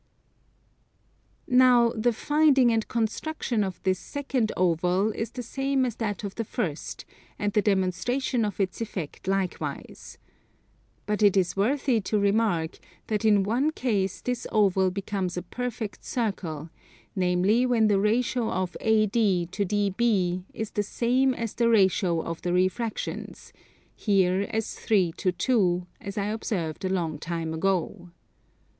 Now the finding and construction of this second oval is the same as that of the first, and the demonstration of its effect likewise. But it is worthy of remark that in one case this oval becomes a perfect circle, namely when the ratio of AD to DB is the same as the ratio of the refractions, here as 3 to 2, as I observed a long time ago.